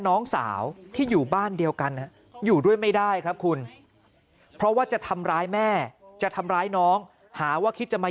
น้องสาวที่อยู่บ้านเดียวกันอยู่ด้วยไม่ได้ครับคุณเพราะว่าจะทำร้ายแม่จะทำร้ายน้องหาว่าคิดจะมา